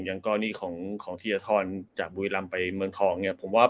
เป็นเรื่องของที่ยาทรอยากบุรรณ์ไปเมืองทอง